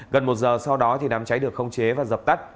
gần một giờ sau đó đám cháy được khống chế và dập tắt